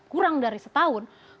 kurang dari setahun